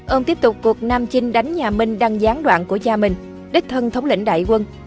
ông tiếp tục cuộc nam chinh đánh nhà minh đang gián đoạn của cha mình đích thân thống lĩnh đại quân